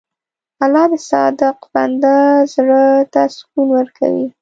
الله د صادق بنده زړه ته سکون ورکوي.